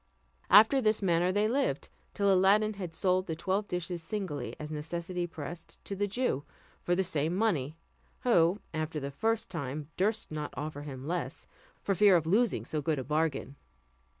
After this manner they lived, till Aladdin had sold the twelve dishes singly, as necessity pressed, to the Jew, for the same money; who, after the first time, durst not offer him less, for fear of losing so good a bargain.